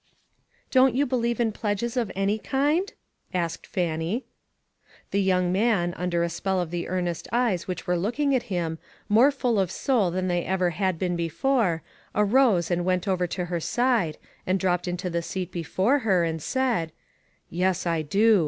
"Don't you believe in pledges of any kind ?" asked Fannie. The young man, under the spell of the earnest eyes which were looking at him, more full of soul than they ever had been before, arose and went over to her side, and dropped into the seat before her, and said : "Yes, I do.